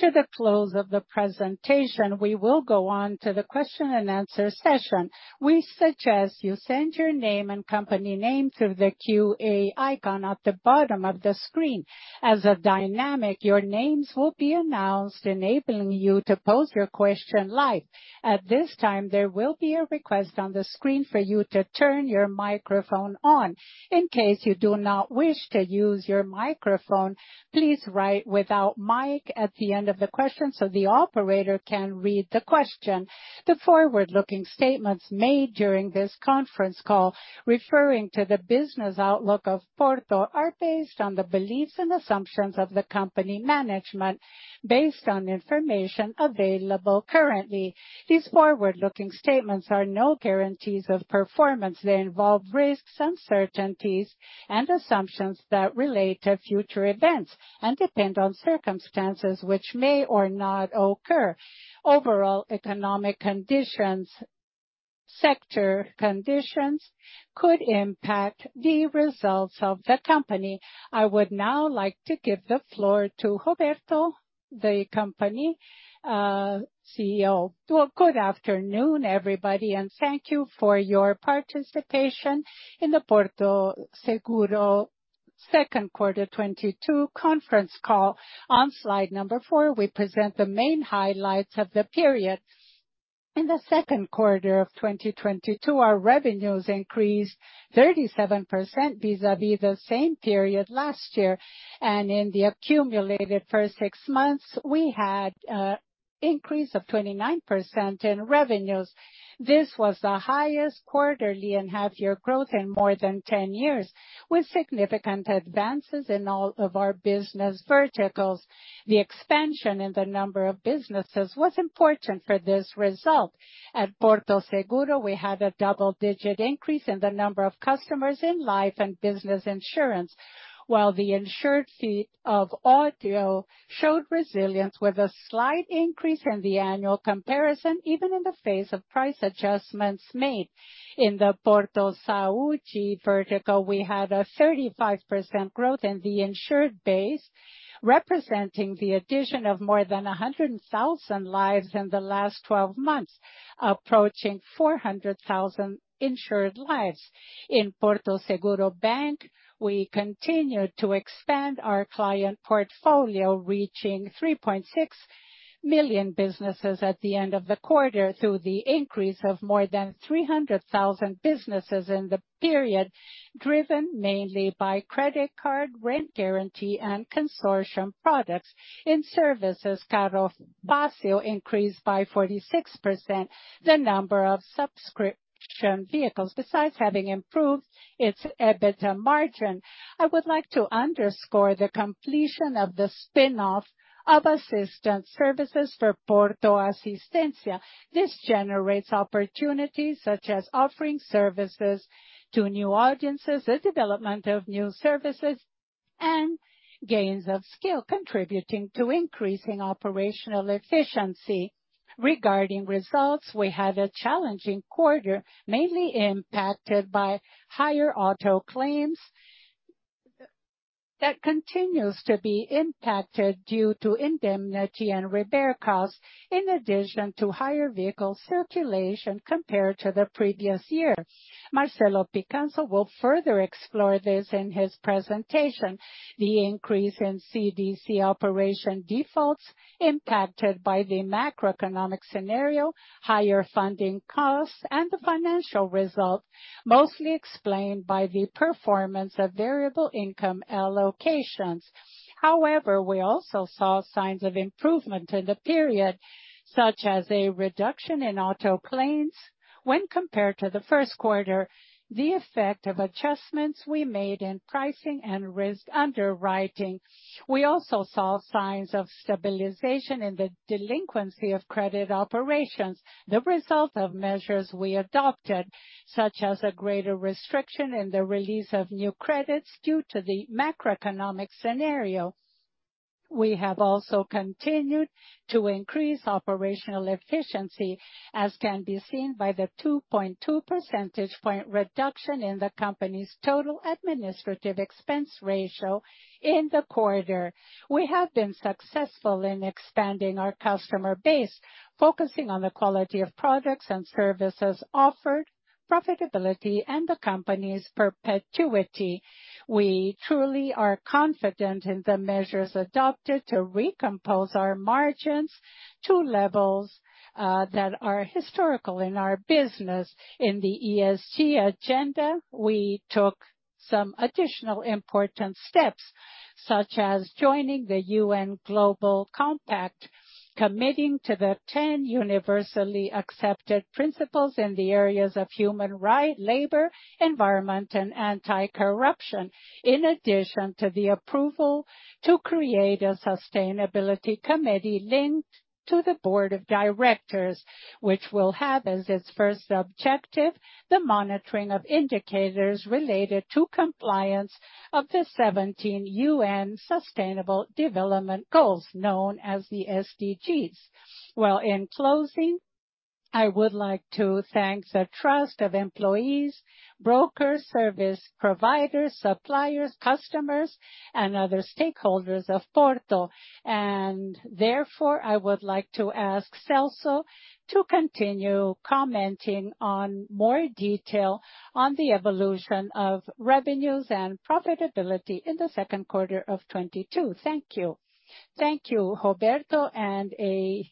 To the close of the presentation, we will go on to the question and answer session. We suggest you send your name and company name through the Q&A icon at the bottom of the screen. As a reminder, your names will be announced, enabling you to pose your question live. At this time, there will be a request on the screen for you to turn your microphone on. In case you do not wish to use your microphone, please write without mic at the end of the question so the operator can read the question. The forward-looking statements made during this conference call referring to the business outlook of Porto are based on the beliefs and assumptions of the company management, based on information available currently. These forward-looking statements are no guarantees of performance. They involve risks, uncertainties, and assumptions that relate to future events and depend on circumstances which may or not occur. Overall economic conditions, sector conditions could impact the results of the company. I would now like to give the floor to Roberto, the company CEO. Well, good afternoon, everybody, and thank you for your participation in the Porto Seguro second quarter 2022 conference call. On slide number 4, we present the main highlights of the period. In the second quarter of 2022, our revenues increased 37% vis-à-vis the same period last year. In the accumulated first six months, we had increase of 29% in revenues. This was the highest quarterly and half year growth in more than 10 years, with significant advances in all of our business verticals. The expansion in the number of businesses was important for this result. At Porto Seguro, we had a double-digit increase in the number of customers in life and business insurance, while the insured fleet of auto showed resilience with a slight increase in the annual comparison, even in the face of price adjustments made. In the Porto Saúde vertical, we had a 35% growth in the insured base, representing the addition of more than 100,000 lives in the last twelve months, approaching 400,000 insured lives. In Porto Seguro Bank, we continued to expand our client portfolio, reaching 3.6 million businesses at the end of the quarter through the increase of more than 300,000 businesses in the period, driven mainly by credit card, rent guarantee, and consortium products. In services, Carro Fácil increased by 46% the number of subscription vehicles, besides having improved its EBITDA margin. I would like to underscore the completion of the spin-off of assistant services for Porto Assistência. This generates opportunities such as offering services to new audiences, the development of new services, and gains of scale, contributing to increasing operational efficiency. Regarding results, we had a challenging quarter, mainly impacted by higher auto claims that continues to be impacted due to indemnity and repair costs, in addition to higher vehicle circulation compared to the previous year. Marcelo Picanço will further explore this in his presentation. The increase in CDC operation defaults impacted by the macroeconomic scenario, higher funding costs, and the financial result, mostly explained by the performance of variable income allocations. However, we also saw signs of improvement in the period, such as a reduction in auto claims when compared to the first quarter, the effect of adjustments we made in pricing and risk underwriting. We also saw signs of stabilization in the delinquency of credit operations, the result of measures we adopted, such as a greater restriction in the release of new credits due to the macroeconomic scenario. We have also continued to increase operational efficiency, as can be seen by the 2.2 percentage point reduction in the company's total administrative expense ratio in the quarter. We have been successful in expanding our customer base, focusing on the quality of products and services offered, profitability, and the company's perpetuity. We truly are confident in the measures adopted to recompose our margins to levels that are historical in our business. In the ESG agenda, we took some additional important steps, such as joining the UN Global Compact, committing to the ten universally accepted principles in the areas of labor, environment, and anti-corruption. In addition to the approval to create a sustainability committee linked to the board of directors, which will have as its first objective, the monitoring of indicators related to compliance of the 17 UN Sustainable Development Goals, known as the SDGs. Well, in closing, I would like to thank the trust of employees, brokers, service providers, suppliers, customers, and other stakeholders of Porto. Therefore, I would like to ask Celso to continue commenting on more detail on the evolution of revenues and profitability in the second quarter of 2022. Thank you. Thank you, Roberto, and a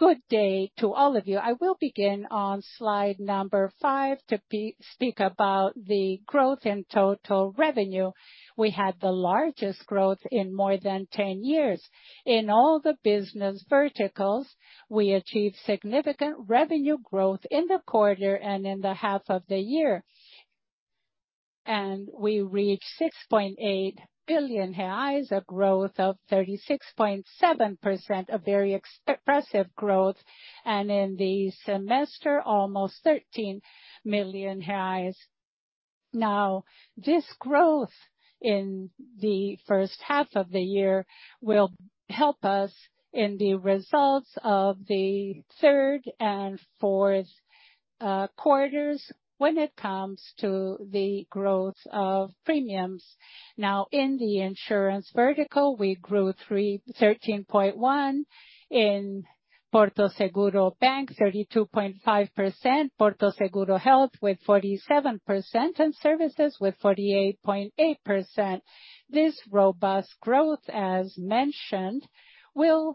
good day to all of you. I will begin on slide number 5 to speak about the growth in total revenue. We had the largest growth in more than 10 years. In all the business verticals, we achieved significant revenue growth in the quarter and in the half of the year. We reached 6.8 billion reais, a growth of 36.7%, a very expressive growth, and in the semester, almost 13 million reais. This growth in the first half of the year will help us in the results of the third and fourth quarters when it comes to the growth of premiums. In the insurance vertical, we grew 13.1%. In Porto Bank, 32.5%. Porto Seguro Health with 47%, and Services with 48.8%. This robust growth, as mentioned, will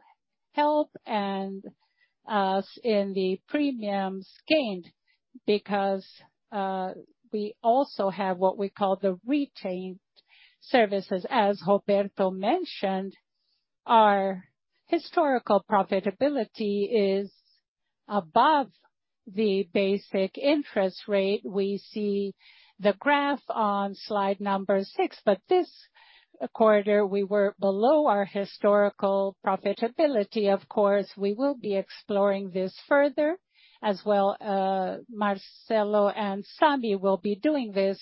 help seen in the premiums gained because we also have what we call the retained services. As Roberto mentioned, our historical profitability is above the basic interest rate. We see the graph on slide 6. This quarter, we were below our historical profitability. Of course, we will be exploring this further as well. Marcelo and Sami will be doing this.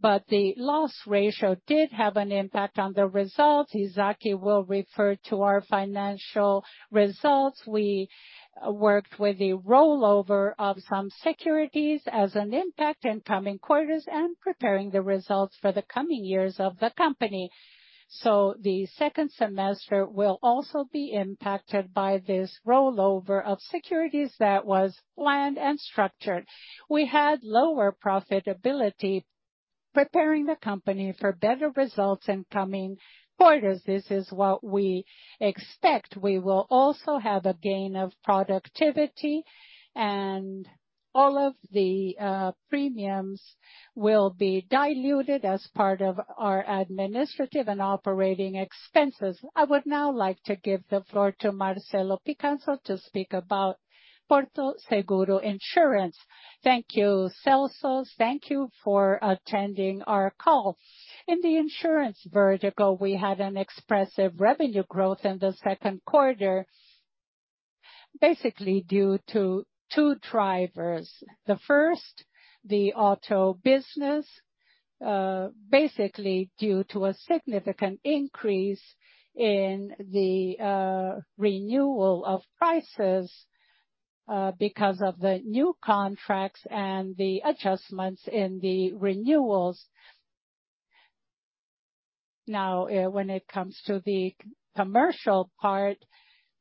The loss ratio did have an impact on the results. Izak will refer to our financial results. We worked with the rollover of some securities as an impact in coming quarters and preparing the results for the coming years of the company. The second semester will also be impacted by this rollover of securities that was planned and structured. We had lower profitability, preparing the company for better results in coming quarters. This is what we expect. We will also have a gain of productivity, and all of the premiums will be diluted as part of our administrative and operating expenses. I would now like to give the floor to Marcelo Picanço to speak about Porto Seguro Insurance. Thank you, Celso. Thank you for attending our call. In the insurance vertical, we had an expressive revenue growth in the second quarter, basically due to two drivers. The first, the auto business, basically due to a significant increase in the renewal of prices, because of the new contracts and the adjustments in the renewals. Now, when it comes to the commercial part,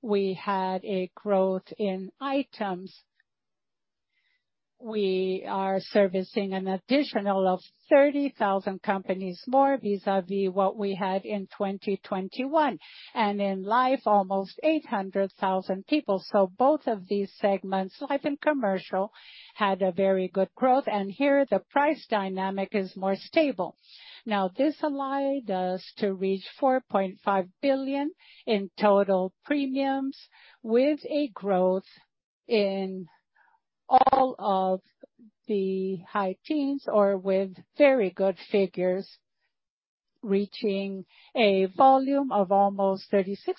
we had a growth in items. We are servicing an additional 30,000 companies more vis-à-vis what we had in 2021. In life, almost 800,000 people. Both of these segments, life and commercial, had a very good growth. Here, the price dynamic is more stable. Now, this allowed us to reach 4.5 billion in total premiums with a growth in all of the high teens or with very good figures, reaching a volume of almost 36%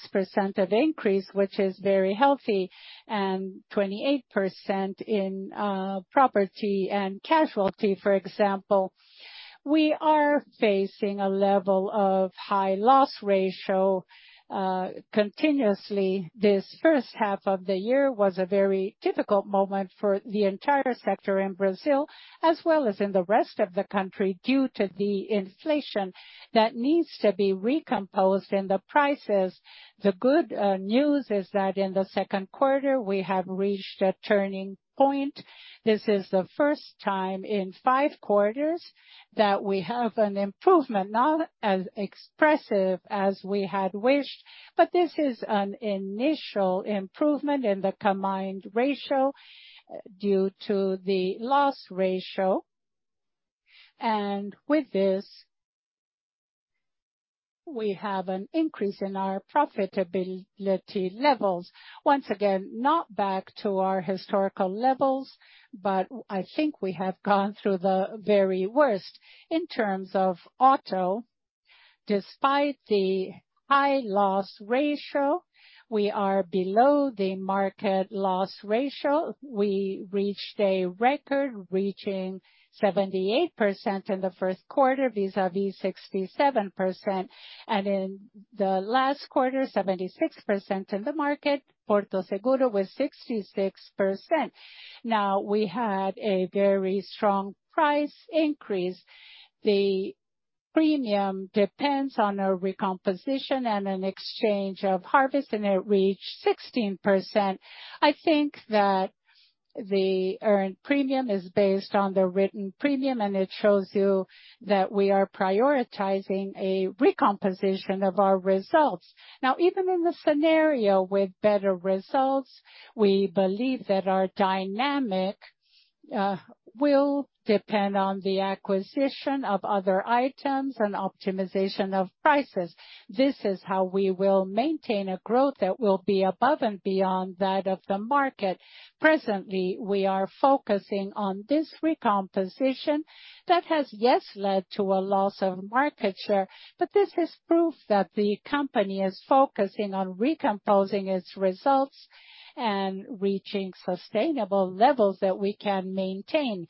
increase, which is very healthy, and 28% in property and casualty, for example. We are facing a level of high loss ratio continuously. This first half of the year was a very difficult moment for the entire sector in Brazil, as well as in the rest of the country, due to the inflation that needs to be recomposed in the prices. The good news is that in the second quarter we have reached a turning point. This is the first time in 5 quarters that we have an improvement, not as expressive as we had wished, but this is an initial improvement in the combined ratio due to the loss ratio. With this, we have an increase in our profitability levels. Once again, not back to our historical levels, but I think we have gone through the very worst. Despite the high loss ratio, we are below the market loss ratio. We reached a record reaching 78% in the first quarter vis-à-vis 67%. In the last quarter, 76% in the market, Porto Seguro was 66%. Now, we had a very strong price increase. The premium depends on a recomposition and an exchange of harvest, and it reached 16%. I think that the earned premium is based on the written premium, and it shows you that we are prioritizing a recomposition of our results. Now, even in the scenario with better results, we believe that our dynamic, will depend on the acquisition of other items and optimization of prices. This is how we will maintain a growth that will be above and beyond that of the market. Presently, we are focusing on this recomposition that has, yes, led to a loss of market share, but this is proof that the company is focusing on recomposing its results and reaching sustainable levels that we can maintain.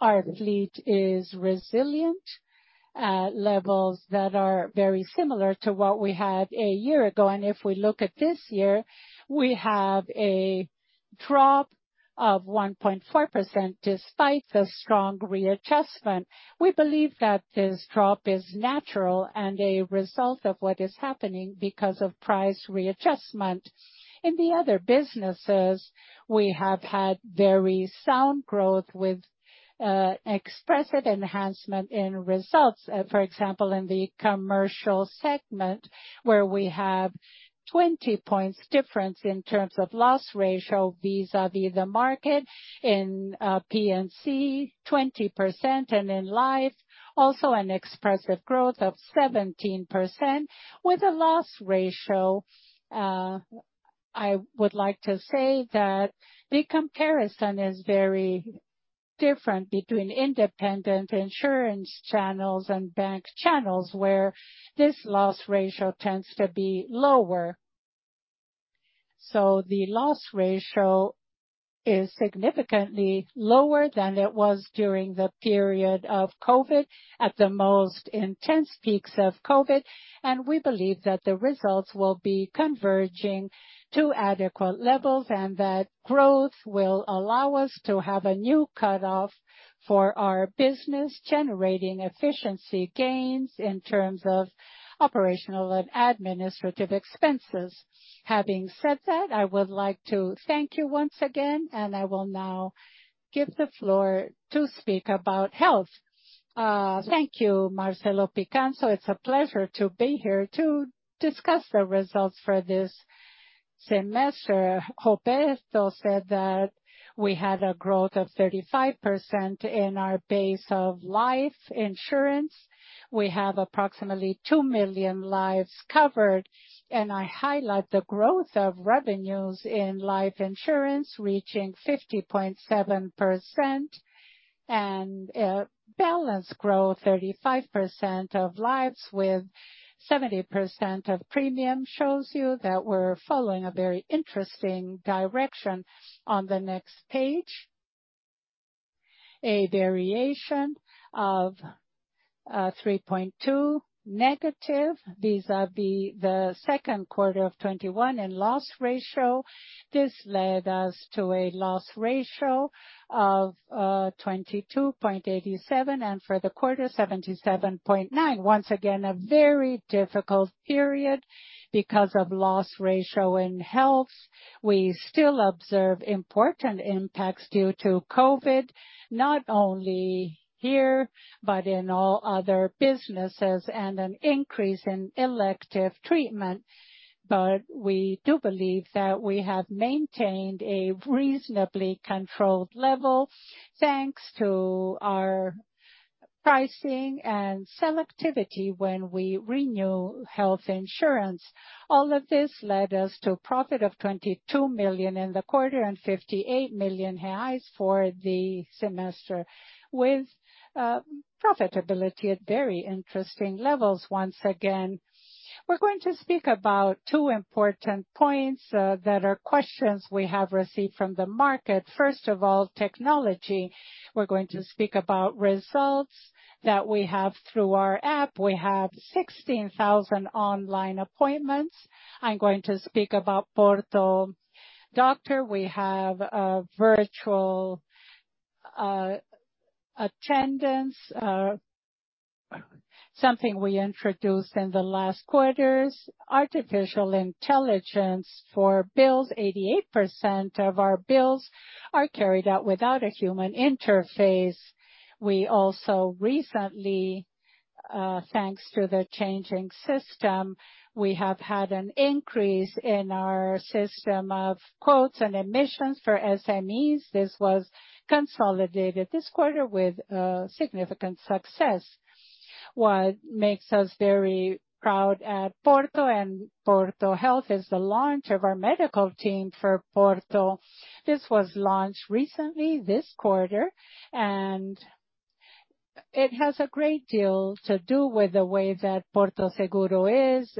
Our fleet is resilient at levels that are very similar to what we had a year ago. If we look at this year, we have a drop of 1.4% despite the strong readjustment. We believe that this drop is natural and a result of what is happening because of price readjustment. In the other businesses, we have had very sound growth with expressive enhancement in results. For example, in the commercial segment, where we have 20 points difference in terms of loss ratio vis-à-vis the market. In P&C, 20%, and in Life, also an expressive growth of 17% with a loss ratio. I would like to say that the comparison is very different between independent insurance channels and bank channels, where this loss ratio tends to be lower. The loss ratio is significantly lower than it was during the period of COVID, at the most intense peaks of COVID, and we believe that the results will be converging to adequate levels, and that growth will allow us to have a new cutoff for our business, generating efficiency gains in terms of operational and administrative expenses. Having said that, I would like to thank you once again, and I will now give the floor to speak about health. Thank you, Marcelo Picanço. It's a pleasure to be here to discuss the results for this semester. Roberto said that we had a growth of 35% in our base of life insurance. We have approximately 2 million lives covered, and I highlight the growth of revenues in life insurance reaching 50.7% and balanced growth, 35% of lives with 70% of premium shows you that we're following a very interesting direction. On the next page, a variation of 3.2 negative vis-à-vis the second quarter of 2021 in loss ratio. This led us to a loss ratio of 22.87, and for the quarter, 77.9. Once again, a very difficult period because of loss ratio in health. We still observe important impacts due to COVID, not only here, but in all other businesses, and an increase in elective treatment. We do believe that we have maintained a reasonably controlled level, thanks to our pricing and selectivity when we renew health insurance. All of this led us to a profit of 22 million in the quarter and 58 million for the semester, with profitability at very interesting levels once again. We're going to speak about two important points that are questions we have received from the market. First of all, technology. We're going to speak about results that we have through our app. We have 16,000 online appointments. I'm going to speak about Porto Doctor. We have a virtual attendance, something we introduced in the last quarters. Artificial intelligence for bills. 88% of our bills are carried out without a human interface. We also recently, thanks to the changing system, we have had an increase in our system of quotes and emissions for SMEs. This was consolidated this quarter with significant success. What makes us very proud at Porto and Porto Saúde is the launch of Porto Doctor. This was launched recently this quarter, and it has a great deal to do with the way that Porto Seguro is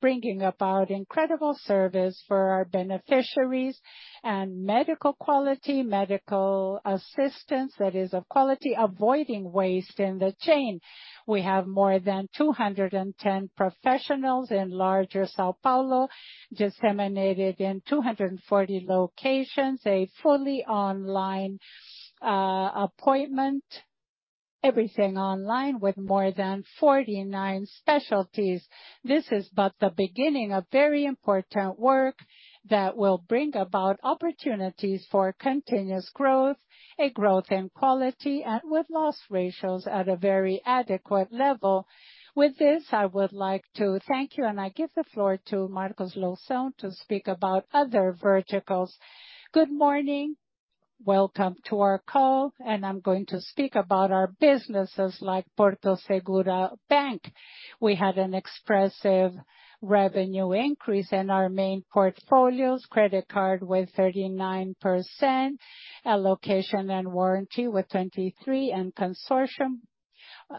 bringing about incredible service for our beneficiaries and medical quality, medical assistance that is of quality, avoiding waste in the chain. We have more than 210 professionals in Greater São Paulo, disseminated in 240 locations, a fully online appointment, everything online with more than 49 specialties. This is but the beginning of very important work that will bring about opportunities for continuous growth, a growth in quality, and with loss ratios at a very adequate level. With this, I would like to thank you and I give the floor to Marcos Loução to speak about other verticals. Good morning. Welcome to our call, and I'm going to speak about our businesses like Porto Bank. We had an expressive revenue increase in our main portfolios, credit card with 39%, rental guarantee with 23%, and consortium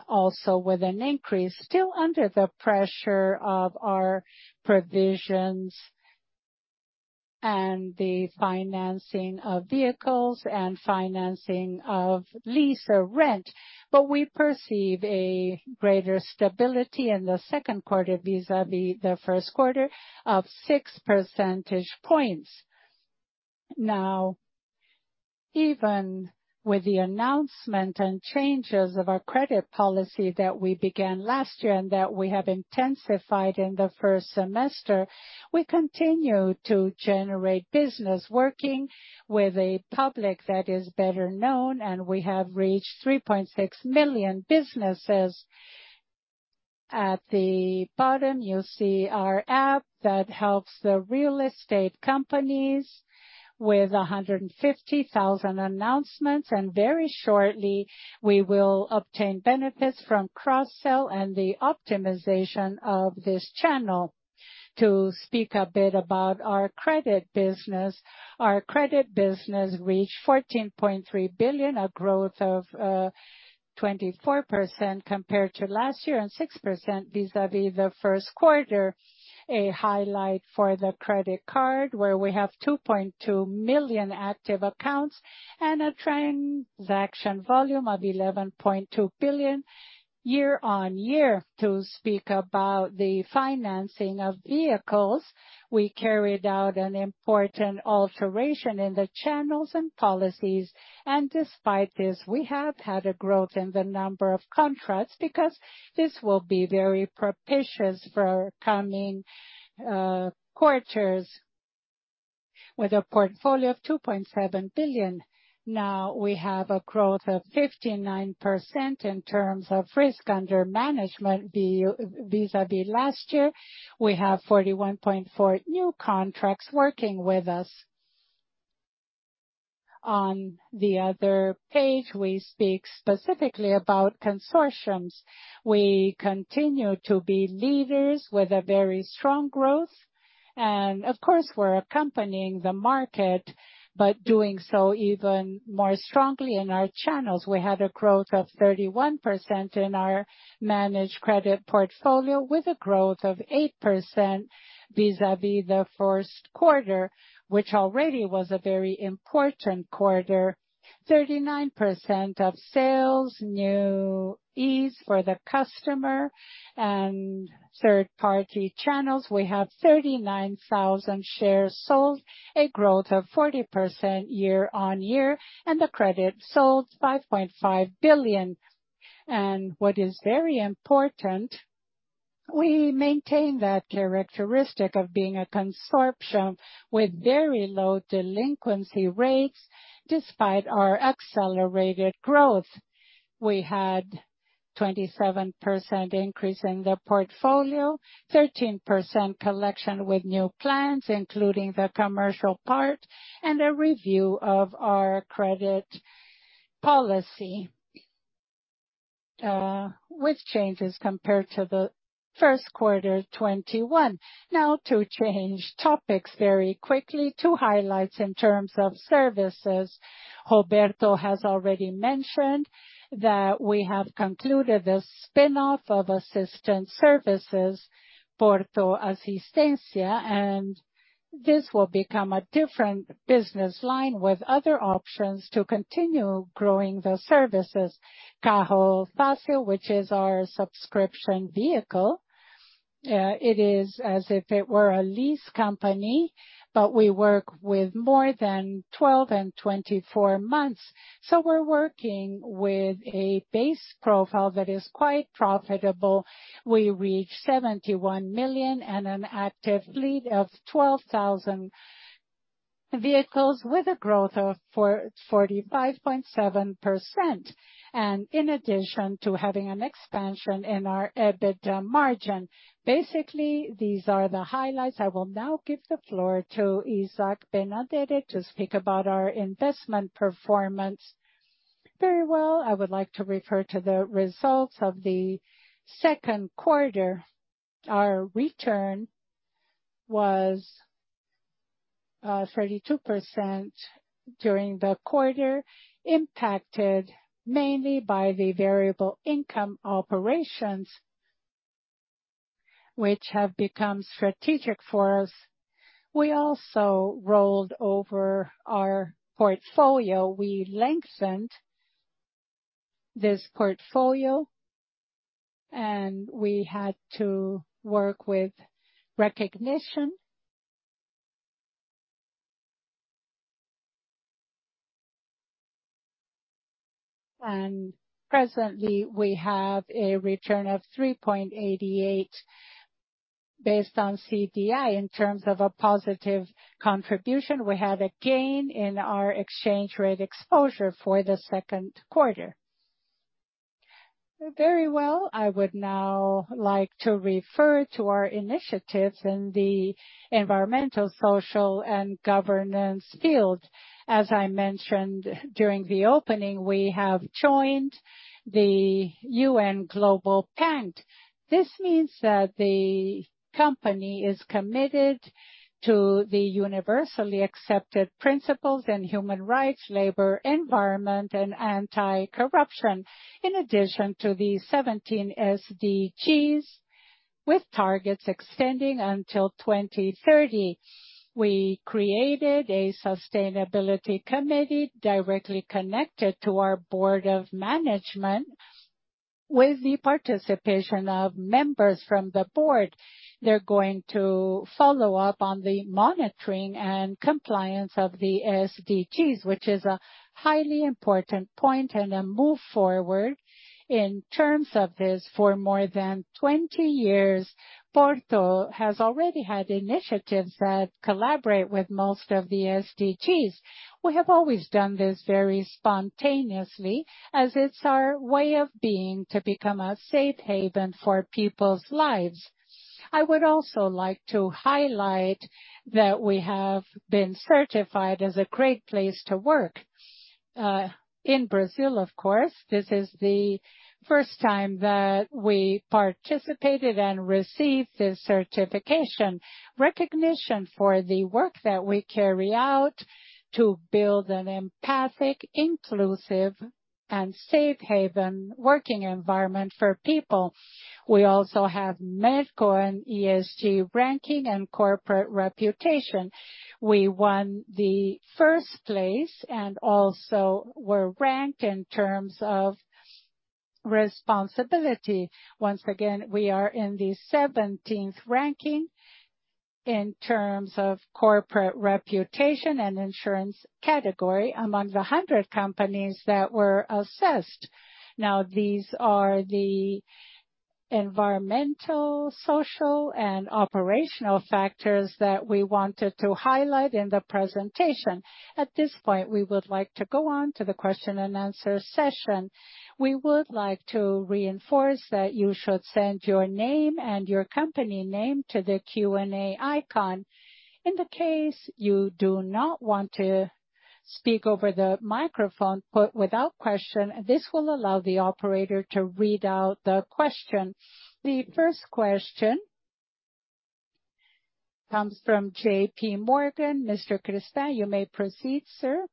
also with an increase still under the pressure of our provisions and the financing of vehicles and financing of lease or rent. We perceive a greater stability in the second quarter vis-à-vis the first quarter of 6 percentage points. Now, even with the announcement and changes of our credit policy that we began last year and that we have intensified in the first semester, we continue to generate business working with a public that is better known, and we have reached 3.6 million businesses. At the bottom, you'll see our app that helps the real estate companies with 150,000 announcements, and very shortly, we will obtain benefits from cross-sell and the optimization of this channel. To speak a bit about our credit business. Our credit business reached 14.3 billion, a growth of 24% compared to last year and 6% vis-à-vis the first quarter. A highlight for the credit card, where we have 2.2 million active accounts and a transaction volume of 11.2 billion year-over-year. To speak about the financing of vehicles. We carried out an important alteration in the channels and policies, and despite this, we have had a growth in the number of contracts because this will be very propitious for coming quarters with a portfolio of 2.7 billion. Now we have a growth of 59% in terms of risk under management vis-à-vis last year. We have 41.4 new contracts working with us. On the other page, we speak specifically about consortiums. We continue to be leaders with a very strong growth, and of course, we're accompanying the market but doing so even more strongly in our channels. We had a growth of 31% in our managed credit portfolio with a growth of 8% vis-à-vis the first quarter, which already was a very important quarter. 39% of sales, new fees for the customer and third-party channels. We have 39,000 shares sold, a growth of 40% year-over-year, and the credit sold 5.5 billion. What is very important, we maintain that characteristic of being a consortium with very low delinquency rates despite our accelerated growth. We had 27% increase in the portfolio, 13% collection with new plans, including the commercial part and a review of our credit policy, with changes compared to the first quarter 2021. Now to change topics very quickly. Two highlights in terms of services. Roberto has already mentioned that we have concluded the spin-off of assistant services, Porto Assistência, and this will become a different business line with other options to continue growing the services. Carro Fácil, which is our subscription vehicle. It is as if it were a lease company, but we work with more than 12 and 24 months. We're working with a base profile that is quite profitable. We reach 71 million and an active fleet of 12,000 vehicles with a growth of 45.7%. In addition to having an expansion in our EBITDA margin. Basically, these are the highlights. I will now give the floor to Izak Benaderet to speak about our investment performance. Very well. I would like to refer to the results of the second quarter. Our return was 32% during the quarter, impacted mainly by the variable income operations, which have become strategic for us. We also rolled over our portfolio. We lengthened this portfolio, and we had to work with recognition. Presently, we have a return of 3.88 based on CDI. In terms of a positive contribution, we have a gain in our exchange rate exposure for the second quarter. Very well. I would now like to refer to our initiatives in the environmental, social, and governance field. As I mentioned during the opening, we have joined the UN Global Compact. This means that the company is committed to the universally accepted principles and human rights, labor, environment, and anti-corruption. In addition to the 17 SDGs with targets extending until 2030. We created a sustainability committee directly connected to our board of management with the participation of members from the board. They're going to follow up on the monitoring and compliance of the SDGs, which is a highly important point and a move forward. In terms of this, for more than 20 years, Porto has already had initiatives that collaborate with most of the SDGs. We have always done this very spontaneously, as it's our way of being to become a safe haven for people's lives. I would also like to highlight that we have been certified as a great place to work, in Brazil, of course. This is the first time that we participated and received this certification. Recognition for the work that we carry out to build an empathic, inclusive, and safe haven working environment for people. We also have Merco and ESG ranking and corporate reputation. We won the first place and also were ranked in terms of responsibility. Once again, we are in the seventeenth ranking in terms of corporate reputation and insurance category among the 100 companies that were assessed. Now, these are the environmental, social, and operational factors that we wanted to highlight in the presentation. At this point, we would like to go on to the question and answer session. We would like to reinforce that you should send your name and your company name to the Q&A icon. In the case you do not want to speak over the microphone, put without question. This will allow the operator to read out the question. The first question comes from J.P. Morgan. Mr. Guilherme Grespan, you may proceed, sir.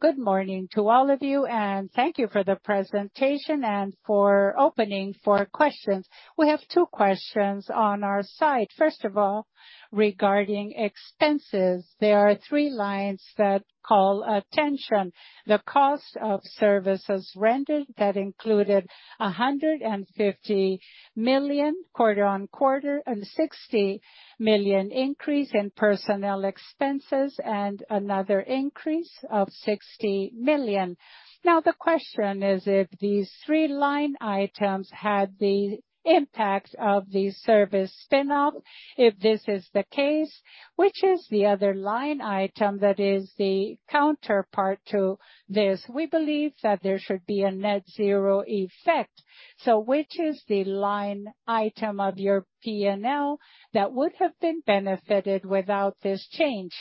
Good morning to all of you, and thank you for the presentation and for opening for questions. We have two questions on our side. First of all, regarding expenses, there are three lines that call attention. The cost of services rendered that included 150 million quarter-on-quarter and 60 million increase in personnel expenses and another increase of 60 million. Now, the question is if these three line items had the impact of the service spin off, if this is the case, which is the other line item that is the counterpart to this? We believe that there should be a net zero effect. So which is the line item of your P&L that would have been benefited without this change?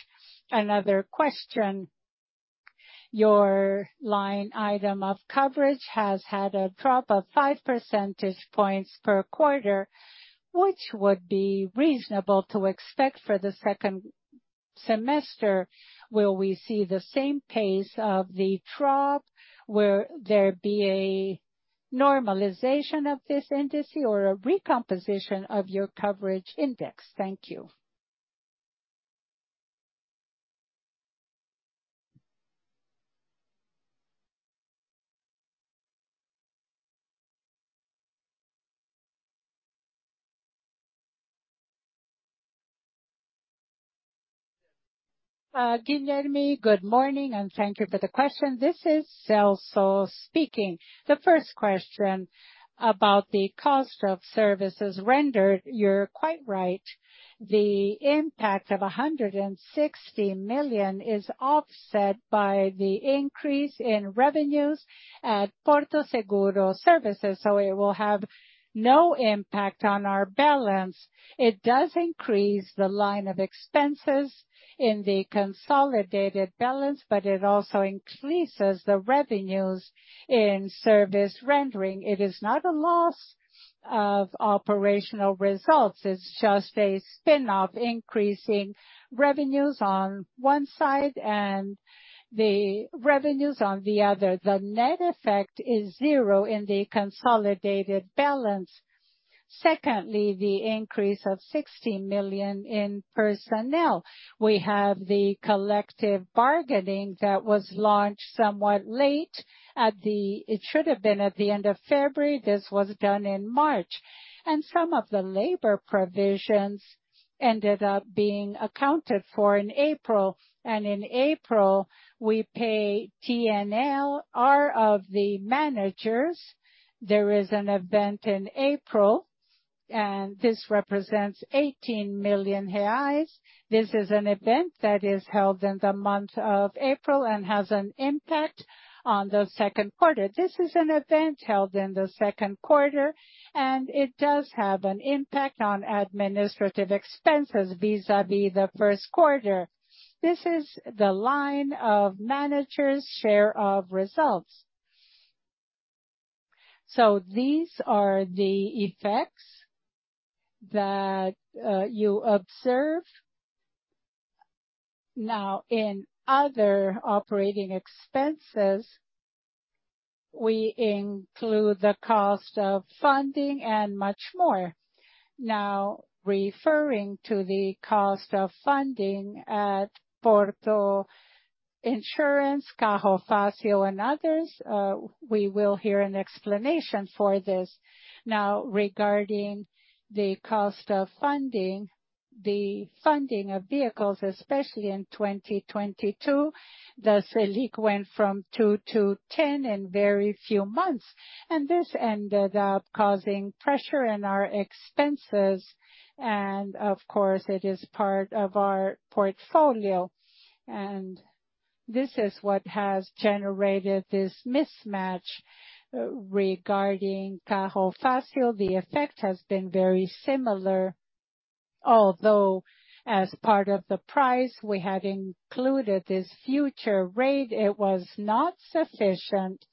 Another question. Your line item of coverage has had a drop of 5 percentage points per quarter, which would be reasonable to expect for the second semester. Will we see the same pace of the drop? Will there be a normalization of this industry or a recomposition of your coverage index? Thank you. Guilherme, good morning, and thank you for the question. This is Celso speaking. The first question about the cost of services rendered, you're quite right. The impact of 160 million is offset by the increase in revenues at Porto Serviço, so it will have no impact on our balance. It does increase the line of expenses in the consolidated balance, but it also increases the revenues in service rendering. It is not a loss of operational results. It is just a spin-off, increasing revenues on one side and the revenues on the other. The net effect is zero in the consolidated balance. Secondly, the increase of 60 million in personnel. We have the collective bargaining that was launched somewhat late. It should have been at the end of February. This was done in March, and some of the labor provisions ended up being accounted for in April. In April, we pay PLR of the managers. There is an event in April, and this represents 18 million reais. This is an event that is held in the month of April and has an impact on the second quarter. This is an event held in the second quarter, and it does have an impact on administrative expenses vis-à-vis the first quarter. This is the line of managers' share of results. These are the effects that you observe. Now, in other operating expenses, we include the cost of funding and much more. Now, referring to the cost of funding at Porto Seguro, Carro Fácil, and others, we will hear an explanation for this. Now regarding the cost of funding, the funding of vehicles, especially in 2022, the Selic went from 2% to 10% in very few months, and this ended up causing pressure in our expenses. Of course, it is part of our portfolio, and this is what has generated this mismatch. Regarding Carro Fácil, the effect has been very similar. Although as part of the price we had included this future rate, it was not sufficient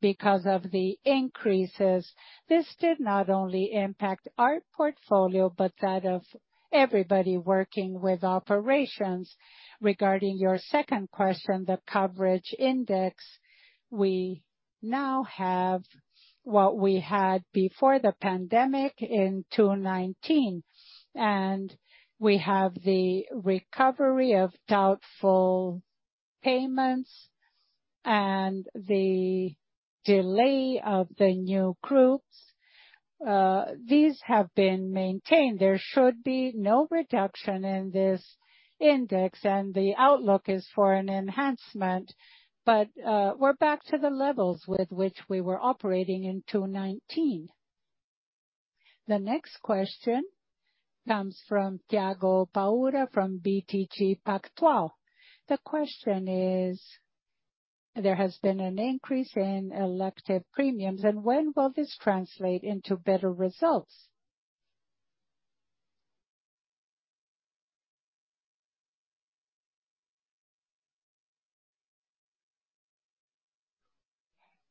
because of the increases. This did not only impact our portfolio, but that of everybody working with operations. Regarding your second question, the coverage index, we now have what we had before the pandemic in 2019, and we have the recovery of doubtful payments and the delay of the new groups. These have been maintained. There should be no reduction in this index, and the outlook is for an enhancement. We're back to the levels with which we were operating in 2019. The next question comes from Tiago Paura from BTG Pactual. The question is: There has been an increase in elective premiums, and when will this translate into better results?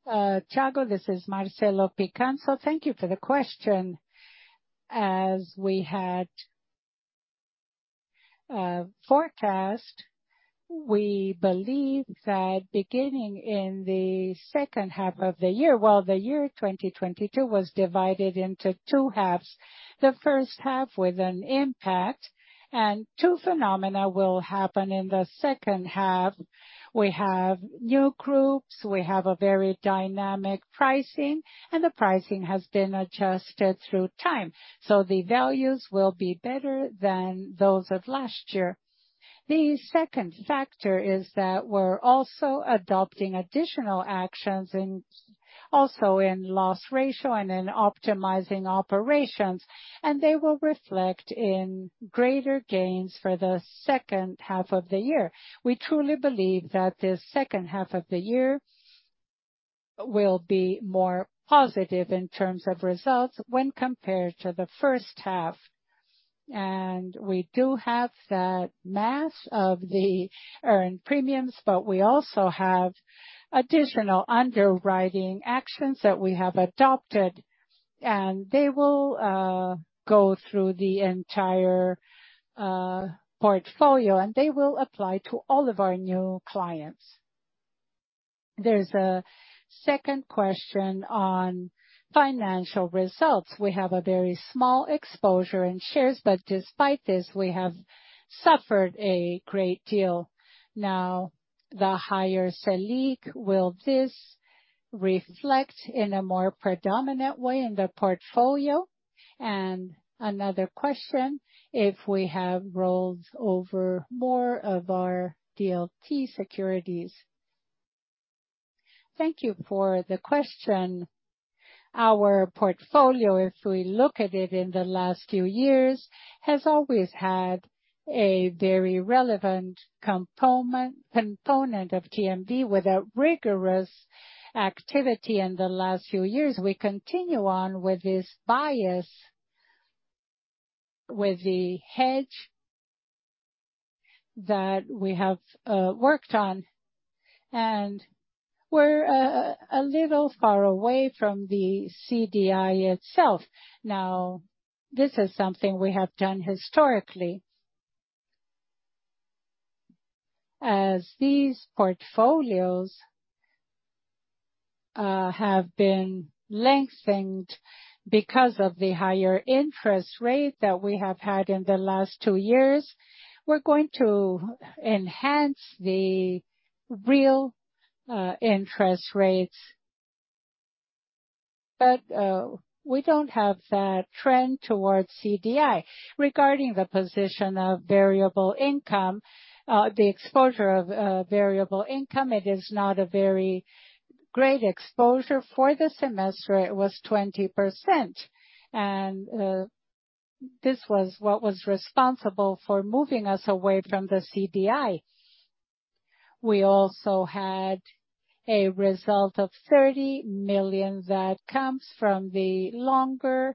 Tiago, this is Marcelo Picanço. Thank you for the question. As we had forecast, we believe that beginning in the second half of the year. Well, the year 2022 was divided into two halves, the first half with an impact. Two phenomena will happen in the second half. We have new groups, we have a very dynamic pricing, and the pricing has been adjusted through time, so the values will be better than those of last year. The second factor is that we're also adopting additional actions in, also in loss ratio and in optimizing operations, and they will reflect in greater gains for the second half of the year. We truly believe that this second half of the year will be more positive in terms of results when compared to the first half. We do have that mass of the earned premiums, but we also have additional underwriting actions that we have adopted, and they will go through the entire portfolio, and they will apply to all of our new clients. There's a second question on financial results. We have a very small exposure in shares, but despite this, we have suffered a great deal. Now, the higher Selic, will this reflect in a more predominant way in the portfolio? And another question, if we have rolled over more of our DLT securities. Thank you for the question. Our portfolio, if we look at it in the last few years, has always had a very relevant component of MTM with a rigorous activity in the last few years. We continue on with this bias, with the hedge that we have worked on. We're a little far away from the CDI itself. Now, this is something we have done historically. As these portfolios have been lengthened because of the higher interest rate that we have had in the last two years, we're going to enhance the real interest rates. But we don't have that trend towards CDI. Regarding the position of variable income, the exposure of variable income, it is not a very great exposure. For the semester, it was 20%. This was what was responsible for moving us away from the CDI. We also had a result of 30 million that comes from the longer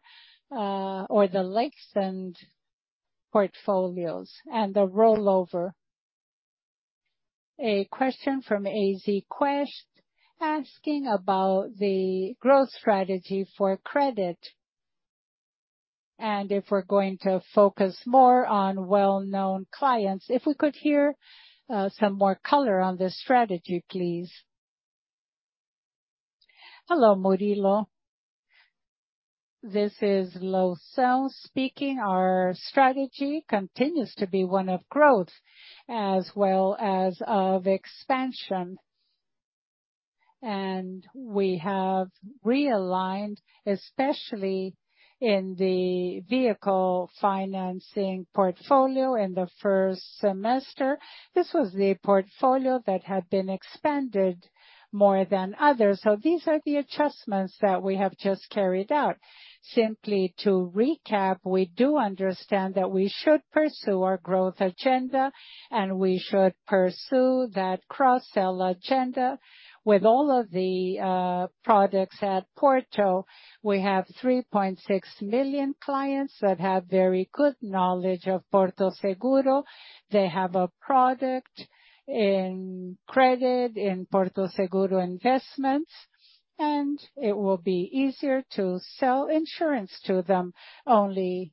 or the lengthened portfolios and the rollover. A question from AZ Quest asking about the growth strategy for credit, and if we're going to focus more on well-known clients. If we could hear some more color on this strategy, please. Hello, Murilo. This is Marcos Loução speaking. Our strategy continues to be one of growth as well as of expansion. We have realigned, especially in the vehicle financing portfolio in the first semester. This was the portfolio that had been expanded more than others. These are the adjustments that we have just carried out. Simply to recap, we do understand that we should pursue our growth agenda, and we should pursue that cross-sell agenda. With all of the products at Porto, we have 3.6 million clients that have very good knowledge of Porto Seguro. They have a product in credit in Porto Seguro Investimentos, and it will be easier to sell insurance to them. Only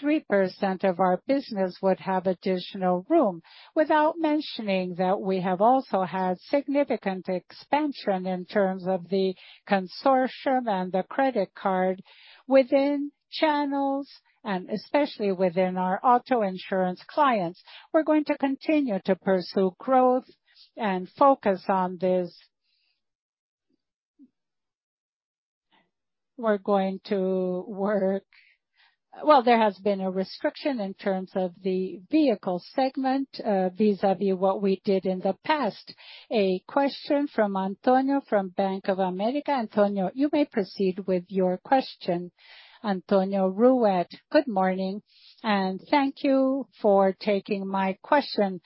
3% of our business would have additional room. Without mentioning that we have also had significant expansion in terms of the consortium and the credit card within channels and especially within our auto insurance clients. We're going to continue to pursue growth and focus on this. Well, there has been a restriction in terms of the vehicle segment, vis-a-vis what we did in the past. A question from Antonio from Bank of America. Antonio, you may proceed with your question. Antonio Ruette. Good morning, and thank you for taking my question.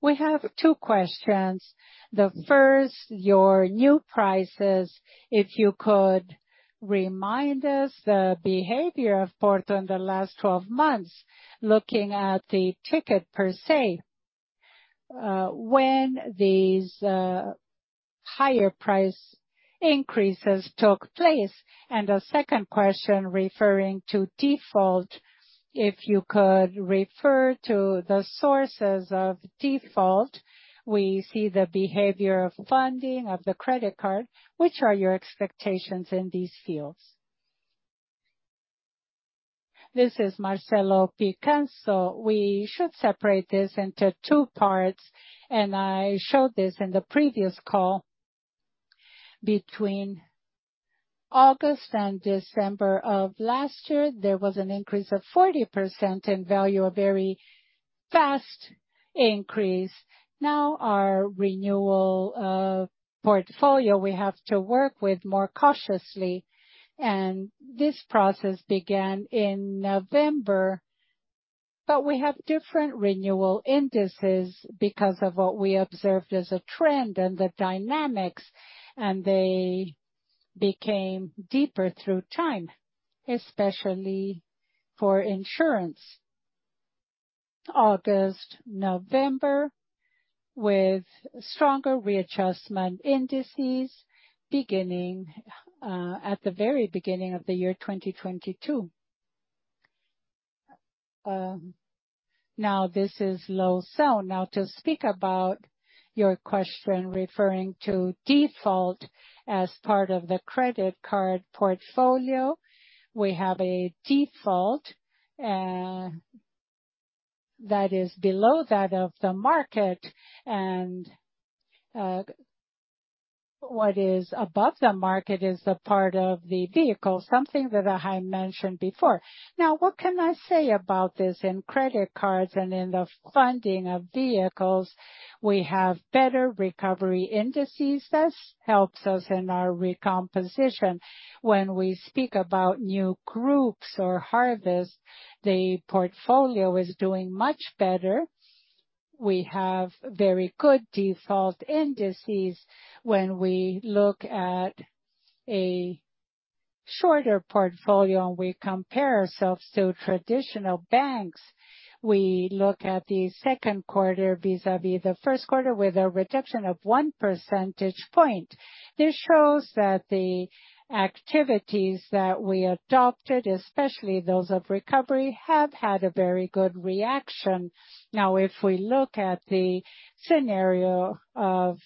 We have two questions. The first, your new prices. If you could remind us the behavior of Porto in the last 12 months, looking at the ticket per se, when these higher price increases took place. A second question referring to default, if you could refer to the sources of default. We see the behavior of funding of the credit card. Which are your expectations in these fields? This is Marcelo Picanço. We should separate this into two parts, and I showed this in the previous call. Between August and December of last year, there was an increase of 40% in value, a very fast increase. Now, our renewal portfolio, we have to work with more cautiously, and this process began in November. We have different renewal indices because of what we observed as a trend and the dynamics, and they became deeper through time, especially for insurance. August, November, with stronger readjustment indices beginning at the very beginning of the year 2022. Now this is Marcos Loução. Now, to speak about your question referring to default as part of the credit card portfolio, we have a default that is below that of the market, and what is above the market is a part of the vehicle, something that I had mentioned before. Now, what can I say about this in credit cards and in the funding of vehicles? We have better recovery indices. This helps us in our recomposition. When we speak about new groups or harvest, the portfolio is doing much better. We have very good default indices when we look at a shorter portfolio and we compare ourselves to traditional banks. We look at the second quarter vis-à-vis the first quarter with a reduction of one percentage point. This shows that the activities that we adopted, especially those of recovery, have had a very good reaction. Now, if we look at the scenario of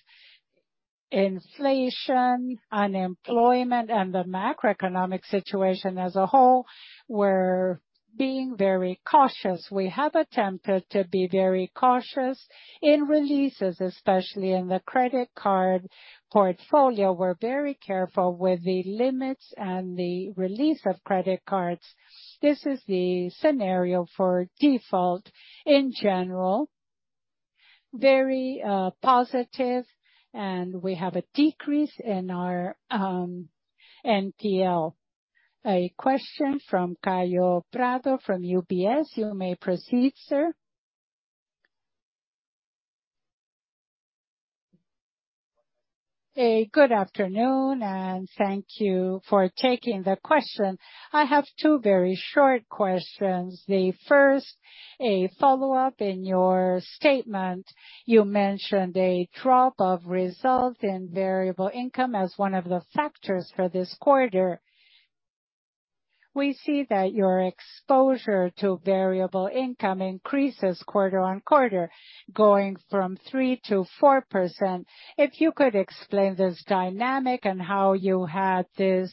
inflation, unemployment, and the macroeconomic situation as a whole, we're being very cautious. We have attempted to be very cautious in releases, especially in the credit card portfolio. We're very careful with the limits and the release of credit cards. This is the scenario for default in general, very positive, and we have a decrease in our NPL. A question from Kaio Prato from UBS. You may proceed, sir. Good afternoon, and thank you for taking the question. I have two very short questions. The first, a follow-up. In your statement, you mentioned a drop of results in variable income as one of the factors for this quarter. We see that your exposure to variable income increases quarter on quarter, going from 3%-4%. If you could explain this dynamic and how you had this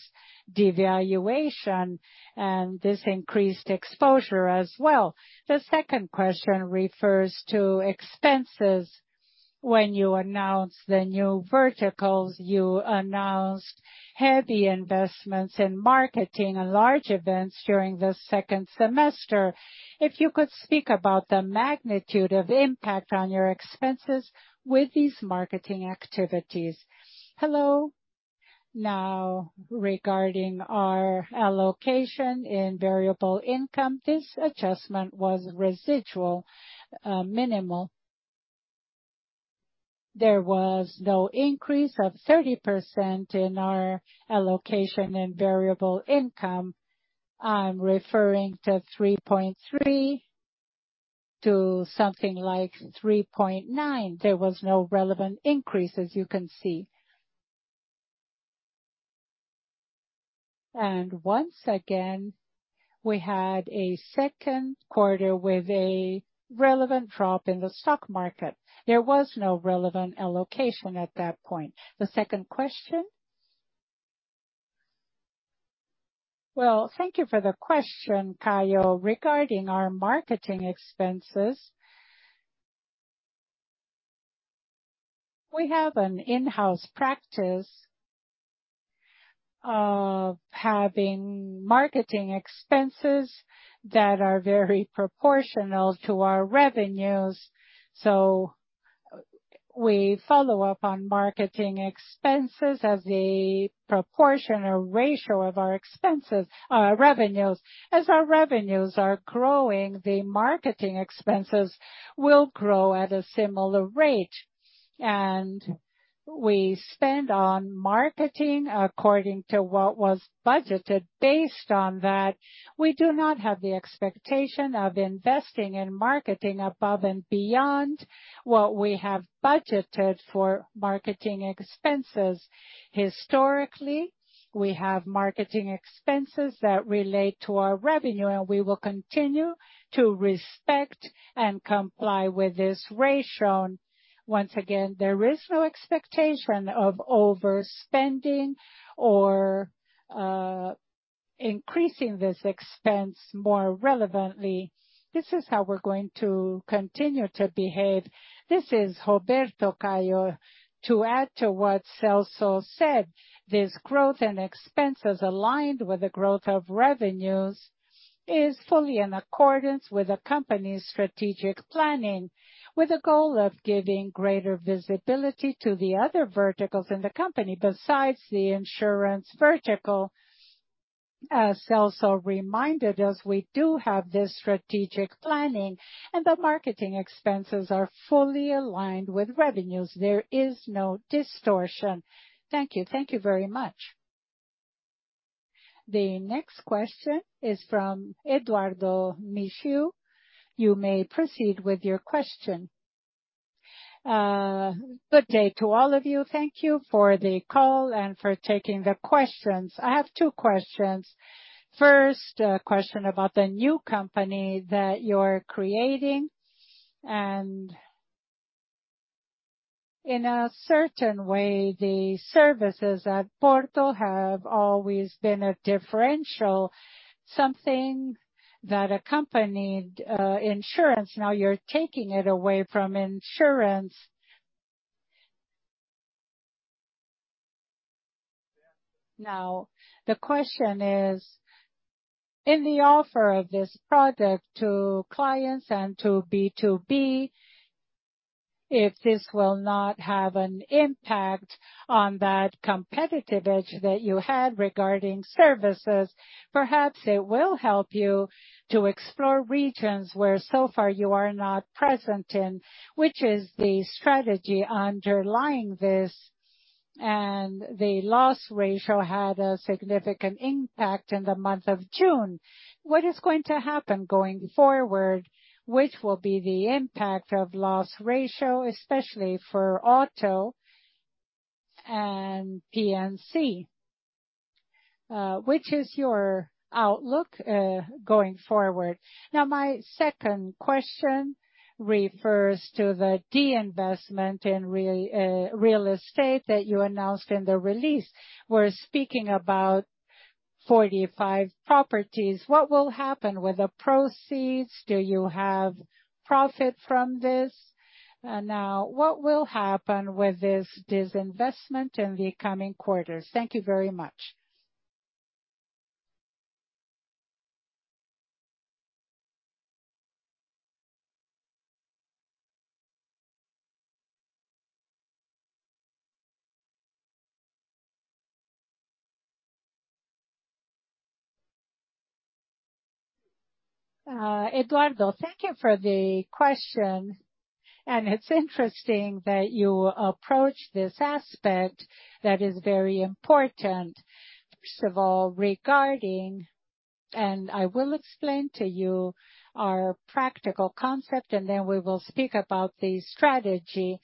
devaluation and this increased exposure as well? The second question refers to expenses. When you announced the new verticals, you announced heavy investments in marketing and large events during the second semester. If you could speak about the magnitude of impact on your expenses with these marketing activities. Hello. Now, regarding our allocation in variable income, this adjustment was residual, minimal. There was no increase of 30% in our allocation in variable income. I'm referring to 3.3% to something like 3.9%. There was no relevant increase, as you can see. Once again, we had a second quarter with a relevant drop in the stock market. There was no relevant allocation at that point. The second question? Well, thank you for the question, Kaio. Regarding our marketing expenses, we have an in-house practice of having marketing expenses that are very proportional to our revenues. We follow up on marketing expenses as a proportion or ratio of our expenses, revenues. As our revenues are growing, the marketing expenses will grow at a similar rate. We spend on marketing according to what was budgeted based on that. We do not have the expectation of investing in marketing above and beyond what we have budgeted for marketing expenses. Historically, we have marketing expenses that relate to our revenue, and we will continue to respect and comply with this ratio. Once again, there is no expectation of overspending or, increasing this expense more relevantly. This is how we're going to continue to behave. This is Roberto, Kaio. To add to what Celso said, this growth in expenses aligned with the growth of revenues is fully in accordance with the company's strategic planning, with the goal of giving greater visibility to the other verticals in the company besides the insurance vertical. As Celso reminded us, we do have this strategic planning, and the marketing expenses are fully aligned with revenues. There is no distortion. Thank you. Thank you very much. The next question is from Eduardo Nishio. You may proceed with your question. Good day to all of you. Thank you for the call and for taking the questions. I have two questions. First, a question about the new company that you're creating. In a certain way, the services at Porto have always been a differential, something that accompanied insurance. Now you're taking it away from insurance. Now, the question is, in the offer of this product to clients and to B2B, if this will not have an impact on that competitive edge that you had regarding services, perhaps it will help you to explore regions where so far you are not present in, which is the strategy underlying this. The loss ratio had a significant impact in the month of June. What is going to happen going forward? Which will be the impact of loss ratio, especially for auto and P&C? Which is your outlook going forward? Now, my second question refers to the disinvestment in real estate that you announced in the release. We're speaking about 45 properties. What will happen with the proceeds? Do you have profit from this? Now, what will happen with this disinvestment in the coming quarters? Thank you very much. Eduardo, thank you for the question, and it's interesting that you approach this aspect that is very important. First of all, regarding. I will explain to you our practical concept, and then we will speak about the strategy.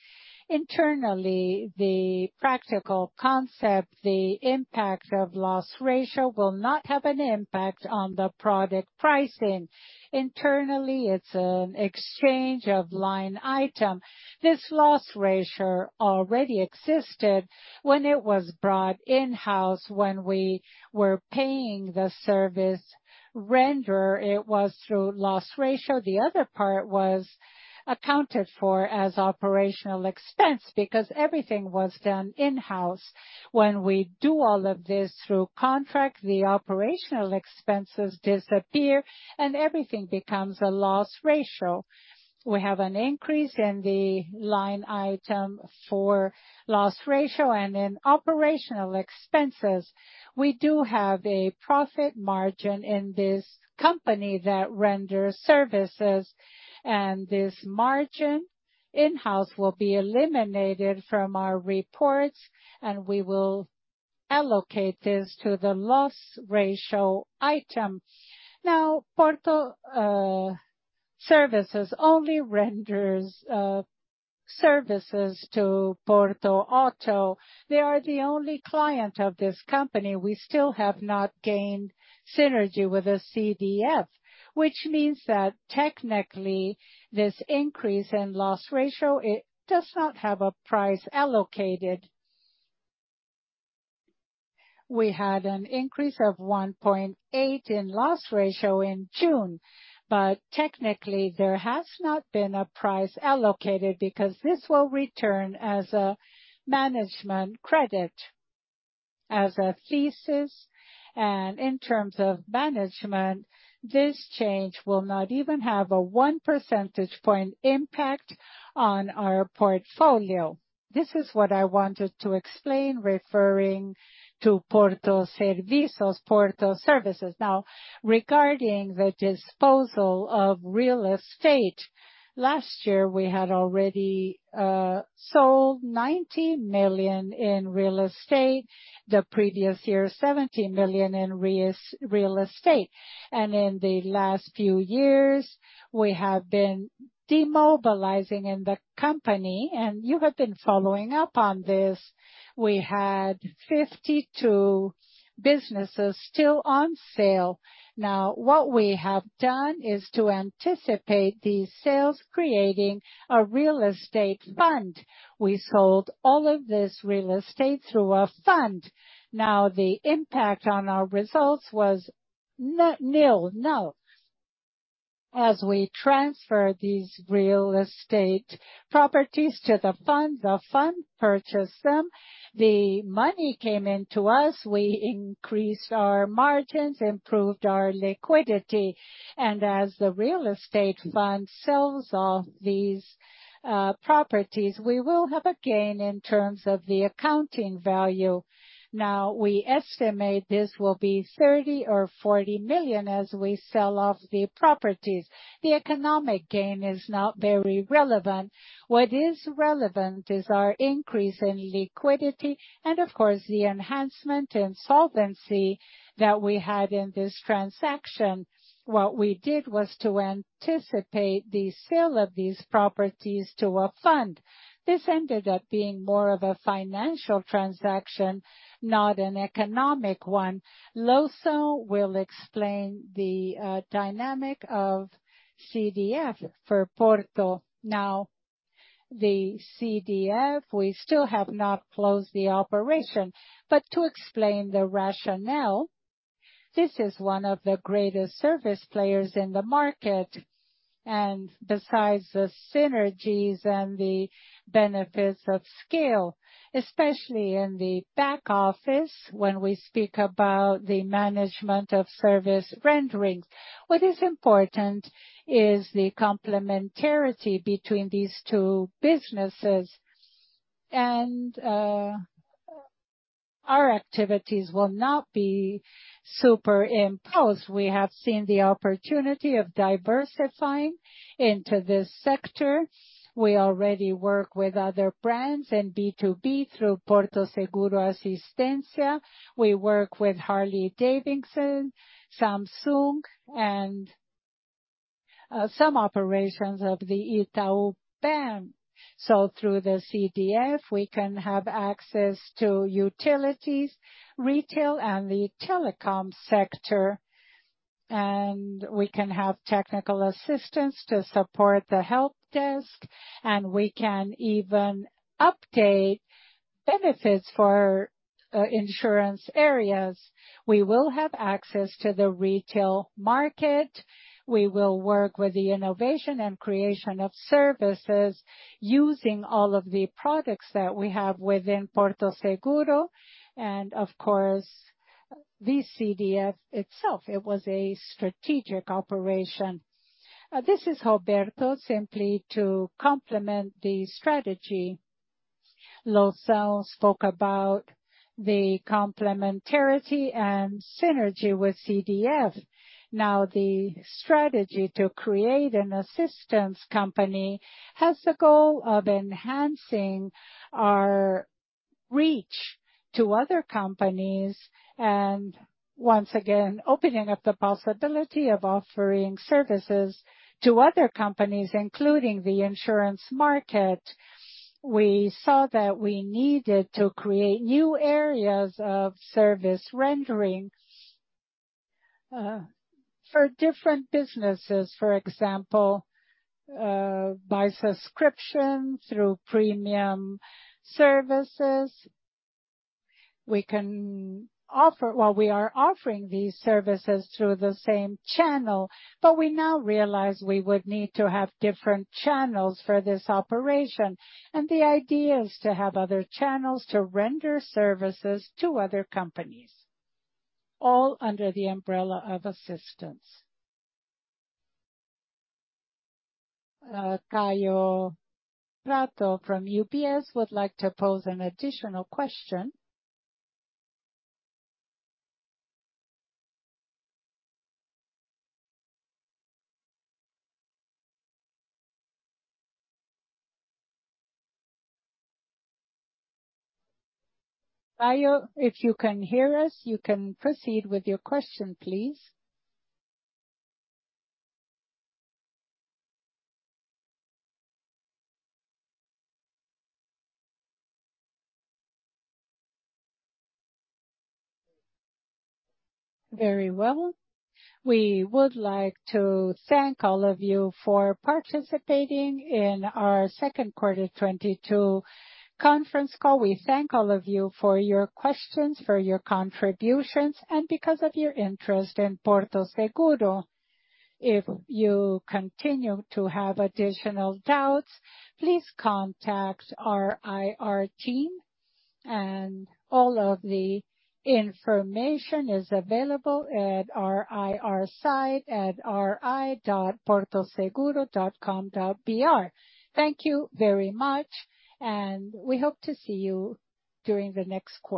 Internally, the practical concept, the impact of loss ratio will not have an impact on the product pricing. Internally, it's an exchange of line item. This loss ratio already existed when it was brought in-house, when we were paying the service renderer, it was through loss ratio. The other part was accounted for as operational expense because everything was done in-house. When we do all of this through contract, the operational expenses disappear and everything becomes a loss ratio. We have an increase in the line item for loss ratio and in operational expenses. We do have a profit margin in this company that renders services, and this margin in-house will be eliminated from our reports, and we will allocate this to the loss ratio item. Now, Porto Services only renders services to Porto Auto. They are the only client of this company. We still have not gained synergy with a CDF, which means that technically this increase in loss ratio, it does not have a price allocated. We had an increase of 1.8 in loss ratio in June, but technically there has not been a price allocated because this will return as a management credit. As a thesis, and in terms of management, this change will not even have a one percentage point impact on our portfolio. This is what I wanted to explain, referring to Porto Serviço, Porto Services. Now, regarding the disposal of real estate, last year we had already sold 90 million in real estate, the previous year, 70 million in real estate. In the last few years, we have been demobilizing in the company, and you have been following up on this. We had 52 businesses still on sale. Now, what we have done is to anticipate these sales creating a real estate fund. We sold all of this real estate through a fund. Now, the impact on our results was nil, none. As we transfer these real estate properties to the fund, the fund purchased them, the money came in to us, we increased our margins, improved our liquidity. As the real estate fund sells off these properties, we will have a gain in terms of the accounting value. Now, we estimate this will be 30 million or 40 million as we sell off the properties. The economic gain is not very relevant. What is relevant is our increase in liquidity and, of course, the enhancement in solvency that we had in this transaction. What we did was to anticipate the sale of these properties to a fund. This ended up being more of a financial transaction, not an economic one. Marcos Loução will explain the dynamic of CDF for Porto. Now, the CDF, we still have not closed the operation. To explain the rationale, this is one of the greatest service players in the market. Our activities will not be superimposed. We have seen the opportunity of diversifying into this sector. We already work with other brands in B2B through Porto Seguro Assistência. We work with Harley-Davidson, Samsung and some operations of the Itaú Unibanco. Through the CDF, we can have access to utilities, retail, and the telecom sector. We can have technical assistance to support the helpdesk, and we can even update benefits for insurance areas. We will have access to the retail market. We will work with the innovation and creation of services using all of the products that we have within Porto Seguro and of course, the CDF itself. It was a strategic operation. This is Roberto. Simply to complement the strategy, Marcos Loução spoke about the complementarity and synergy with CDF. Now, the strategy to create an assistance company has the goal of enhancing our reach to other companies and once again, opening up the possibility of offering services to other companies, including the insurance market. We saw that we needed to create new areas of service rendering for different businesses. For example, by subscription, through premium services. We are offering these services through the same channel, but we now realize we would need to have different channels for this operation. The idea is to have other channels to render services to other companies, all under the umbrella of assistance. Caio Prato from UBS would like to pose an additional question. Caio, if you can hear us, you can proceed with your question, please. Very well. We would like to thank all of you for participating in our second quarter 2022 conference call. We thank all of you for your questions, for your contributions, and because of your interest in Porto Seguro. If you continue to have additional doubts, please contact our IR team and all of the information is available at our IR site at ri.portoseguro.com.br. Thank you very much, and we hope to see you during the next quarter.